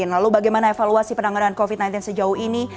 lalu bagaimana evaluasi penanganan covid sembilan belas sejauh ini